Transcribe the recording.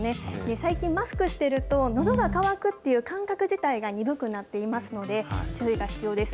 最近、マスクしてるとのどが渇くっていう感覚自体が鈍くなっていますので、注意が必要です。